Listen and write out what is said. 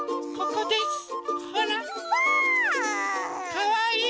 かわいい？